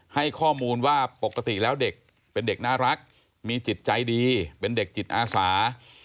ให้ข้อมูลว่าปกติแล้วเด็กเป็นเด็กน่ารักมีจิตใจดีเป็นเด็กจิตอาสา